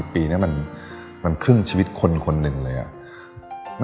ปีนี้มันครึ่งชีวิตคนคนหนึ่งเลยอะ